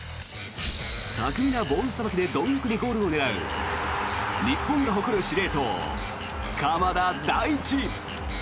巧みなボールさばきでどん欲にゴールを狙う日本が誇る司令塔鎌田大地。